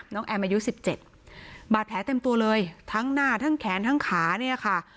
แอมอายุสิบเจ็ดบาดแผลเต็มตัวเลยทั้งหน้าทั้งแขนทั้งขาเนี่ยค่ะ